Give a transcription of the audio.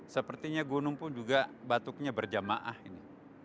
sepertinya gunung pun juga batuknya berjamaah ini